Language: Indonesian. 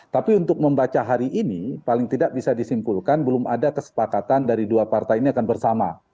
tapi untuk membaca hari ini paling tidak bisa disimpulkan belum ada kesepakatan dari dua partai ini akan bersama